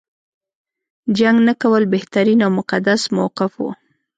جنګ نه کول بهترین او مقدس موقف و.